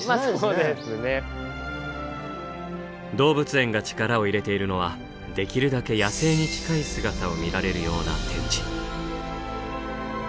動物園が力を入れているのはできるだけ野生に近い姿を見られるような展示。